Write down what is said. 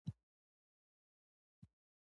زه پیسې لیکم